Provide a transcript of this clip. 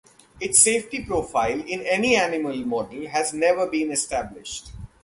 Its safety profile in any animal model has never been established.